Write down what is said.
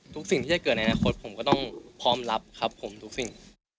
สิ่งที่จะเกิดในอนาคตผมก็ต้องพร้อมรับครับผมทุกสิ่ง